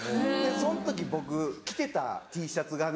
その時僕着てたＴシャツがね。